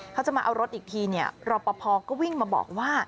เขาจะมาเอารถอีกทีรอปภก็วิ่งมาบอกว่า